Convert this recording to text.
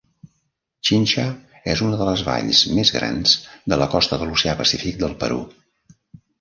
Chincha és una de les valls més grans de la costa de l'Oceà Pacífic del Perú.